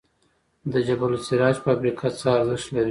د جبل السراج فابریکه څه ارزښت لري؟